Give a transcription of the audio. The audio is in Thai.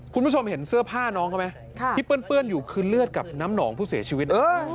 คุณผู้ชมเห็นเสื้อผ้าน้องเขาไหมที่เปื้อนอยู่คือเลือดกับน้ำหนองผู้เสียชีวิต